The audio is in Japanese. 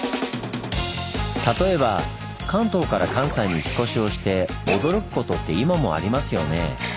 例えば関東から関西に引っ越しをして驚くことって今もありますよね。